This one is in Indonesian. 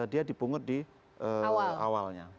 dia dipungut di awalnya